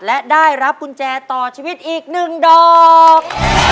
และได้รับกุญแจต่อชีวิตอีก๑ดอก